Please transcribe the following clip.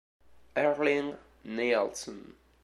Erling Nielsen